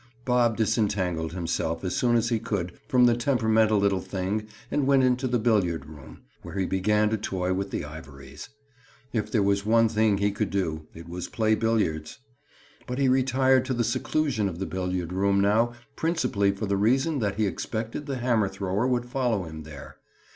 Bob disentangled himself as soon as he could from the temperamental little thing and went into the billiard room, where he began to toy with the ivories. If there was one thing he could do, it was play billiards. But he retired to the seclusion of the billiard room now principally for the reason that he expected the hammer thrower would follow him there.